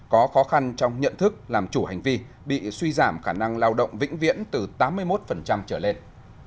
có khó khăn trong nhận thức làm chủ hành vi bị suy giảm khả năng lao động vĩnh viễn từ tám mươi một trở lên